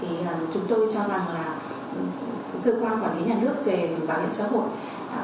thì chúng tôi cho rằng là cơ quan quản lý nhà nước về bảo hiểm xã hội